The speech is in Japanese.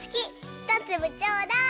ひとつぶちょうだい！